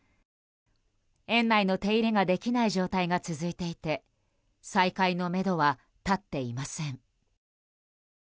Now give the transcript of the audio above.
園内の手入れができない状態が続いていて再開のめどは立っていません。